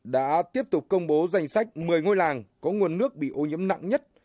đã tiếp tục công bố danh sách một mươi ngôi làng có nguồn nước bị ô nhiễm nặng nhất